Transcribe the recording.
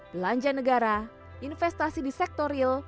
belanja negara investasi di sektor real